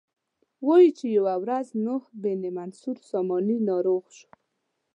وایي چې یو ځل نوح بن منصور ساماني ناروغ شو.